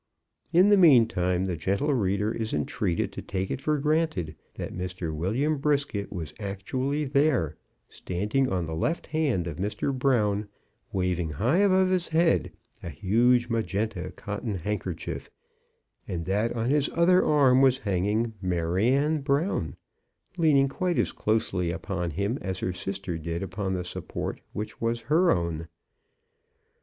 In the meantime the gentle reader is entreated to take it for granted that Mr. William Brisket was actually there, standing on the left hand of Mr. Brown, waving high above his head a huge magenta cotton handkerchief, and that on his other arm was hanging Maryanne Brown, leaning quite as closely upon him as her sister did upon the support which was her own.